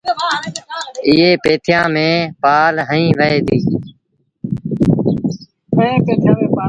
ائيٚݩ پيٿيآݩ ميݩ پآل هنئيٚ وهي ديٚ۔